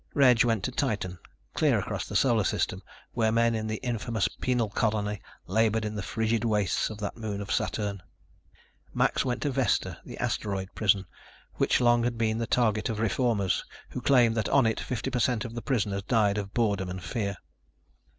Reg went to Titan, clear across the Solar System, where men in the infamous penal colony labored in the frigid wastes of that moon of Saturn. Max went to Vesta, the asteroid prison, which long had been the target of reformers, who claimed that on it 50 per cent of the prisoners died of boredom and fear.